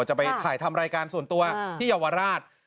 จะไปถ่ายทำรายการส่วนตัวที่เยาวราช